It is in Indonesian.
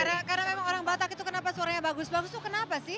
karena memang orang batak itu kenapa suaranya bagus bagus itu kenapa sih